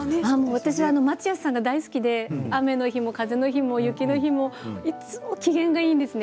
私、この方が大好きで雨の日も風の日も雪の日も機嫌がいいんです。